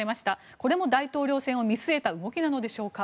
これも大統領選を見据えた動きなのでしょうか。